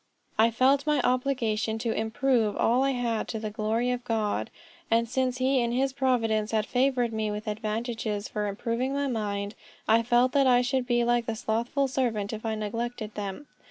I felt my obligation to improve all I had to the glory of God; and since he in his providence had favored me with advantages for improving my mind, I felt that I should be like the slothful servant if I neglected them.